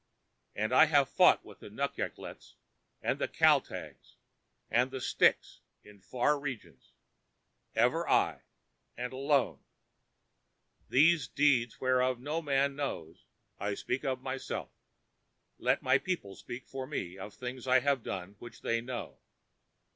And I have fought with the Nuklukyets, and the Kaltags, and the Sticks in far regions, even I, and alone. These deeds, whereof no man knows, I speak for myself. Let my people speak for me of things I have done which they know.